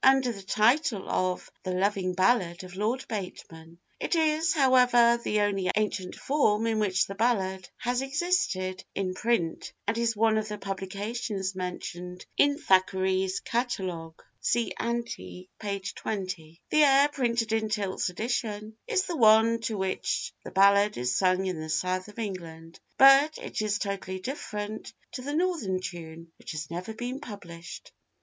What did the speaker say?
under the title of The loving Ballad of Lord Bateman. It is, however, the only ancient form in which the ballad has existed in print, and is one of the publications mentioned in Thackeray's Catalogue, see ante, p. 20. The air printed in Tilt's edition is the one to which the ballad is sung in the South of England, but it is totally different to the Northern tune, which has never been published.